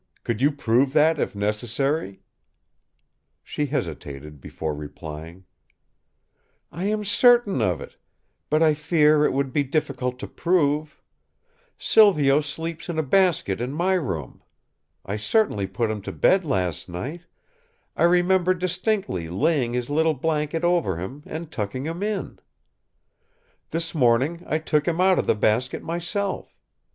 Could you prove that if necessary?" She hesitated before replying: "I am certain of it; but I fear it would be difficult to prove. Silvio sleeps in a basket in my room. I certainly put him to bed last night; I remember distinctly laying his little blanket over him, and tucking him in. This morning I took him out of the basket myself.